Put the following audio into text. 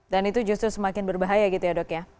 dan itu justru semakin berbahaya gitu ya dok ya